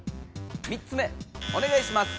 ３つ目おねがいします。